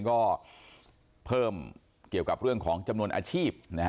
ก็เพิ่มเกี่ยวกับเรื่องของจำนวนอาชีพ